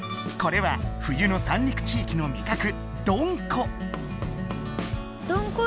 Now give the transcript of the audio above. これは冬の三陸地域の味覚どんこ。